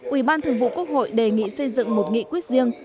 ủy ban thường vụ quốc hội đề nghị xây dựng một nghị quyết riêng